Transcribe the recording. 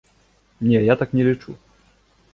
Не, я так не лічу.